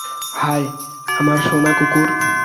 High, আমার সোনা কুকুর।